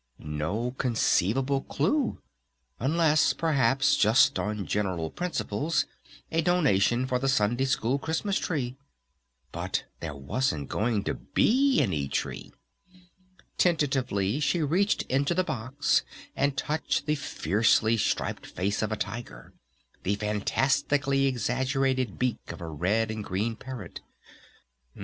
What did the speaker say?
No conceivable clew! Unless perhaps just on general principles a donation for the Sunday School Christmas Tree? But there wasn't going to be any tree! Tentatively she reached into the box and touched the fiercely striped face of a tiger, the fantastically exaggerated beak of a red and green parrot.